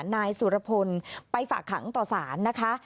นายสุรพลไปฝากขังต่อสารนะคะ